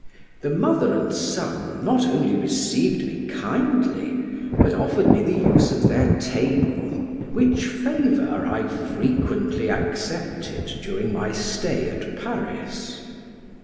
The mother and son not only received me kindly, but offered me the use of their table, which favor I frequently accepted during my stay at Paris.